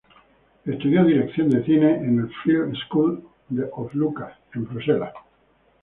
Estudió dirección de cine en el "Film School of St-Lucas", en Bruselas.